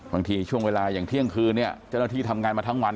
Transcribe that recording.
ช่วงเวลาอย่างเที่ยงคืนเนี่ยเจ้าหน้าที่ทำงานมาทั้งวัน